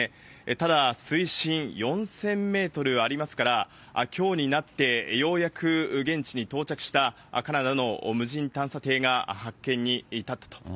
ただ、水深４０００メートルありますから、きょうになってようやく現地に到着したカナダの無人探査艇が発見